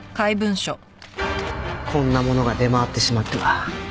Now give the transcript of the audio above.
こんなものが出回ってしまっては。